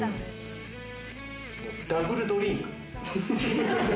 ダブルドリンク。